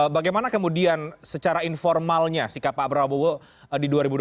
bagaimana kemudian secara informalnya sikap pak prabowo di dua ribu dua puluh